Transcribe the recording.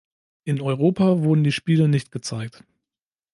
In Europa wurden die Spiele nicht gezeigt.